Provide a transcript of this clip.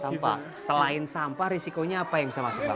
sampah selain sampah risikonya apa yang bisa masuk pak